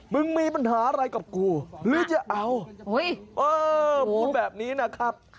มึงมีปัญหาอะไรกับกูหรือจะเอาพูดแบบนี้นะครับ